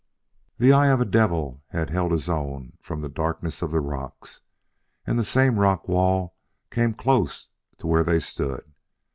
The eyes of a devil had held his own from the darkness of the rocks, and the same rock wall came close to where they stood.